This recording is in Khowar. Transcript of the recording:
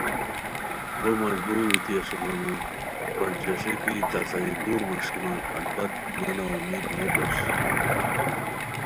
بو مجبور بیتی اسوم ہنون ہس جوسے کی تہ ساری دُور مݰکیمان البت مہ نا امید نو کوس